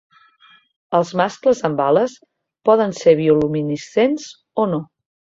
Els mascles amb ales poden ser bioluminescents o no.